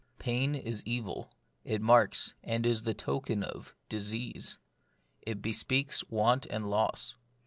Pain is evil ; it marks, and is token of, dis ease. It bespeaks want and loss.